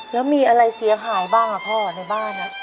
แล้วมีอะไรเสียหายบ้างพ่อในบ้าน